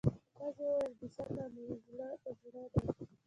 ښځي وویل بېشکه مي په زړه دي